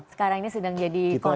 sekarang ini sedang jadi korban